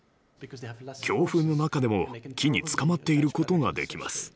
強風の中でも木につかまっていることができます。